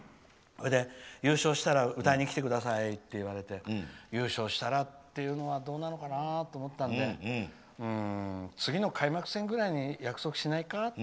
優勝したら歌いに来てくださいと言われて優勝したらっていうのはどうなのかな？って思ったのでうーん次の開幕戦ぐらいに約束しないか？